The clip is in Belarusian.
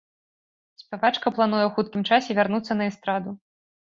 Спявачка плануе ў хуткім часе вярнуцца на эстраду.